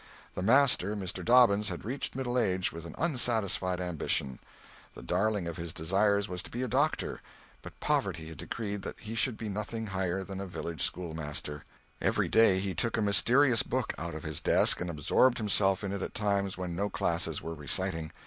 The master, Mr. Dobbins, had reached middle age with an unsatisfied ambition. The darling of his desires was, to be a doctor, but poverty had decreed that he should be nothing higher than a village schoolmaster. Every day he took a mysterious book out of his desk and absorbed himself in it at times when no classes were reciting.